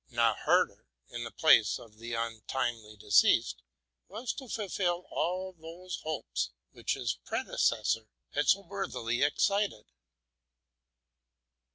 Now Herder, in the place of the untimely deceased, was to fulfil all those hopes which his predecessor had so worthily excited.